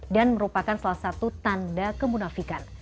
dan merupakan salah satu tanda kemunafikan